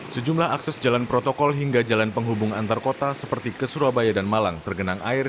sejumlah akses jalan protokol hingga jalan penghubung antar kota seperti ke surabaya dan malang tergenang air